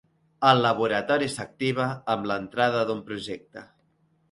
El laboratori s'activa amb l'entrada d'un projecte.